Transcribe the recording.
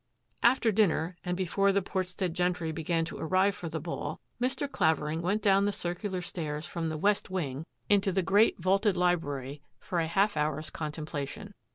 After dinner, and before the Portstead gei began to arrive for the ball, Mr. Clavering \ down the circular stairs from the west wing : ON ACCOUNT OP A NECKLACE 5 • the great, vaulted library for a half hour's con templation.